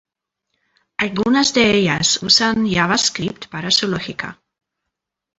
Algunas de ellas usan JavaScript para su lógica.